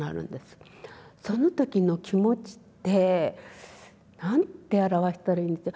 その時の気持ちって何て表したらいいんでしょう。